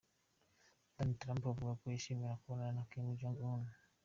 Donald Trump avuga ko yoshima kubonana na Kim Jong-Un.